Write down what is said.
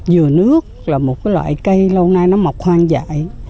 dừa nước là một loại cây lâu nay nó mọc hoang dại